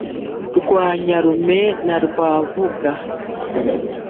rwa nyarume na rwabunga,